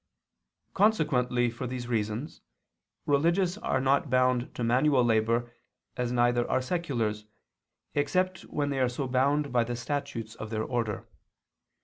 Consequently for these reasons religious are not bound to manual labor, as neither are seculars, except when they are so bound by the statutes of their order.